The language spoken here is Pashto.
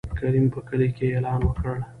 کريم په کلي کې يې اعلان وکړ.